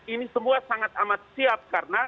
ini semua sangat amat siap karena